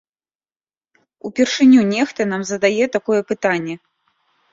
Упершыню нехта нам задае такое пытанне!